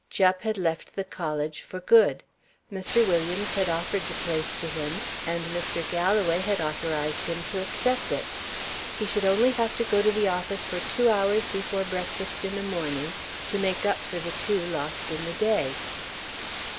Jupp had left the college for good; Mr. Williams had offered the place to him, and Mr. Galloway had authorized him to accept it. He should only have to go to the office for two hours before breakfast in a morning, to make up for the two lost in the day.